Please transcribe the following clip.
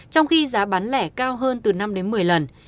trong khi giá bán lẻ cao hơn từ năm đến một mươi lần